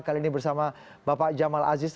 kali ini bersama bapak jamal aziz